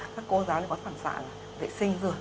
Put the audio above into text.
các cô giáo thì có phản xạ là vệ sinh rửa